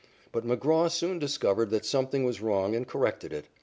But McGraw soon discovered that something was wrong and corrected it.